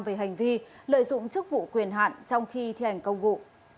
về hành vi lợi dụng chức vụ quyền hạn trong khi thi hành công vụ